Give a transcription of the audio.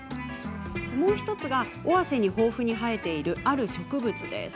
もう１つが尾鷲に豊富に生えているある植物です。